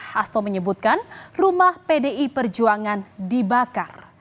hasto menyebutkan rumah pdi perjuangan dibakar